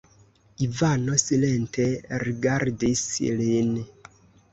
Ivano silente rigardis lin.